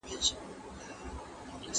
¬ چي زما او ستا بايده دي، ليري او نژدې څه دي.